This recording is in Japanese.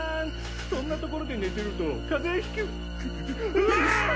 そんなところで寝てるとカゼひく・・うわぁ！